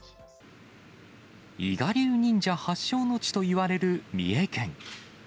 伊賀流忍者発祥の地といわれる三重県。